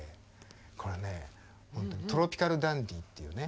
これね「トロピカルダンディー」っていうね